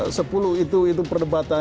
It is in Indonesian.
kalau bicara sepuluh itu itu perdebatan